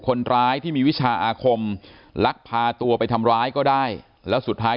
คนร้ายที่มีวิชาอาคมลักพาตัวไปทำร้ายก็ได้แล้วสุดท้าย